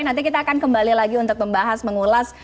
nanti kita akan kembali lagi untuk membahas mengulas